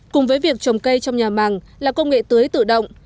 cùng với việc trồng cây trong nhà màng là công nghệ tưới tự động